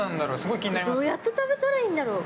どうやって食べたらいいんだろう。